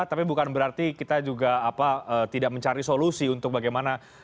tapi bukan berarti kita juga tidak mencari solusi untuk bagaimana